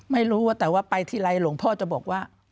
ไม่รู้ว่าแต่ว่าไปทีไรหลวงพ่อจะบอกว่า